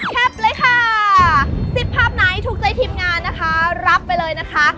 เลยค่ะ๑๐ภาพไหนถูกใจทีมงานนะคะรับไปเลยนะคะ